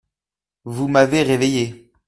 Vous m’avez réveillée…